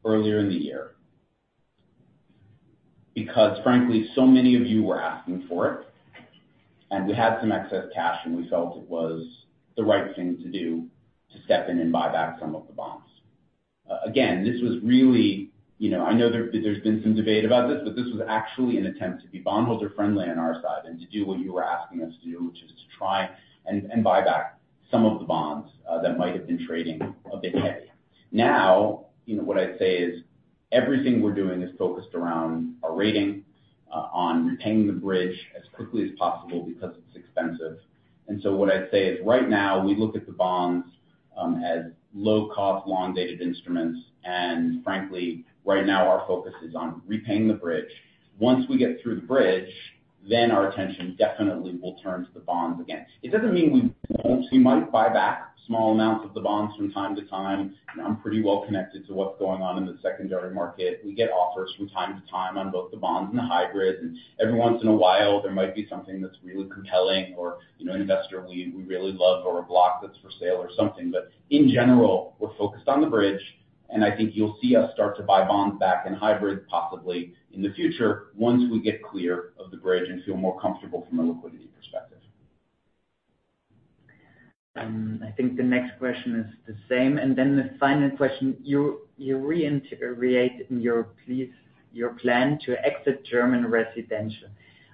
earlier in the year, because frankly, so many of you were asking for it, and we had some excess cash, and we felt it was the right thing to do to step in and buy back some of the bonds. Again, this was really... You know, I know there, there's been some debate about this, but this was actually an attempt to be bondholder-friendly on our side and to do what you were asking us to do, which is to try and buy back some of the bonds that might have been trading a bit heavy. Now, you know, what I'd say is, everything we're doing is focused around our rating on paying the bridge as quickly as possible because it's expensive. So what I'd say is, right now, we look at the bonds-... as low cost, long dated instruments. Frankly, right now our focus is on repaying the bridge. Once we get through the bridge, then our attention definitely will turn to the bonds again. It doesn't mean we won't. We might buy back small amounts of the bonds from time to time. I'm pretty well connected to what's going on in the secondary market. We get offers from time to time on both the bonds and the hybrids, and every once in a while, there might be something that's really compelling or, you know, an investor we really love, or a block that's for sale or something. But in general, we're focused on the bridge, and I think you'll see us start to buy bonds back in hybrid, possibly in the future, once we get clear of the bridge and feel more comfortable from a liquidity perspective. I think the next question is the same, and then the final question. You, you reiterate in your presentation, your plan to exit German residential.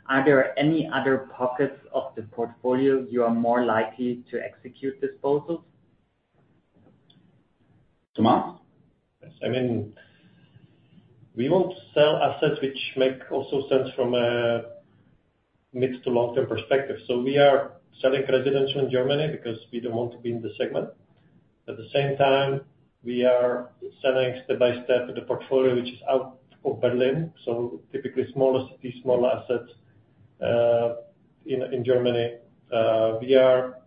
Are there any other pockets of the portfolio you are more likely to execute disposals? Thomas? Yes. I mean, we won't sell assets which make also sense from a mid to long-term perspective. So we are selling residential in Germany because we don't want to be in the segment. At the same time, we are selling step by step, the portfolio, which is out of Berlin, so typically smaller cities, small assets, in, in Germany. We are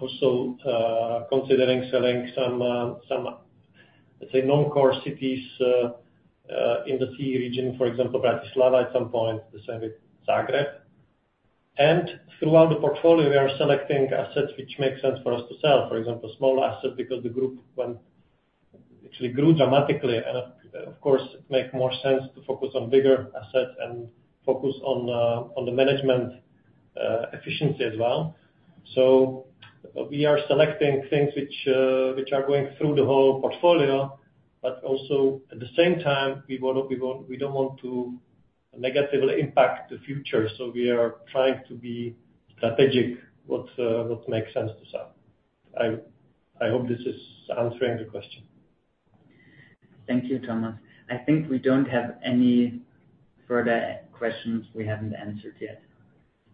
also considering selling some, some, let's say, non-core cities, in the CEE region, for example, Bratislava, at some point, the same with Zagreb. And throughout the portfolio, we are selecting assets which makes sense for us to sell. For example, small assets, because the group when actually grew dramatically, and of course, it make more sense to focus on bigger assets and focus on, on the management efficiency as well. So we are selecting things which are going through the whole portfolio, but also, at the same time, we want to, we don't want to negatively impact the future, so we are trying to be strategic what makes sense to sell. I hope this is answering the question. Thank you, Tomáš. I think we don't have any further questions we haven't answered yet.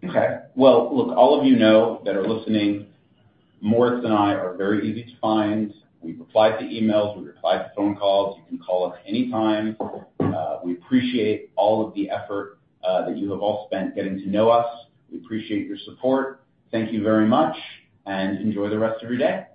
Okay. Well, look, all of you know, that are listening, Moritz and I are very easy to find. We reply to emails, we reply to phone calls. You can call us anytime. We appreciate all of the effort that you have all spent getting to know us. We appreciate your support. Thank you very much, and enjoy the rest of your day.